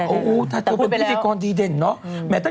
โอ้โฮถ้าเธอเป็นพฤติกรณ์ดีเด่นเนอะ